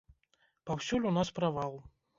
Паўсюль у нас правал!